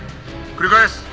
「繰り返す。